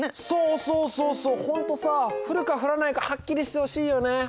そうそうそうそう本当さあ降るか降らないかはっきりしてほしいよね